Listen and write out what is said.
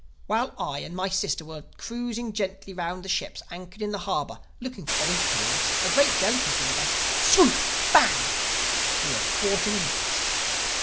While I and my sister were cruising gently round the ships anchored in the harbor looking for orange peels, a great delicacy with us—Swoop! Bang!—we were caught in a net.